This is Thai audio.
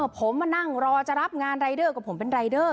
ผมมานั่งรอจะรับงานรายเดอร์กับผมเป็นรายเดอร์